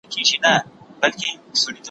مال خپل وساته، همسايه غل مه بوله.